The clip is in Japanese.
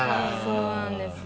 そうなんですよ。